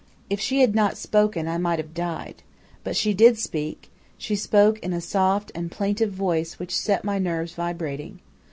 "If she had not spoken, I might have died. But she did speak; she spoke in a soft and plaintive voice which set my nerves vibrating.